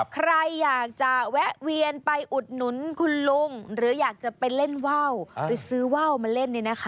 ใครอยากจะแวะเวียนไปอุดหนุนคุณลุงหรืออยากจะไปเล่นว่าวไปซื้อว่าวมาเล่นเนี่ยนะคะ